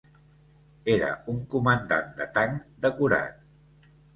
Era un comandant de tanc decorat.